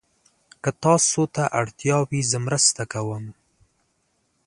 که تاسو ته اړتیا وي، زه مرسته کوم.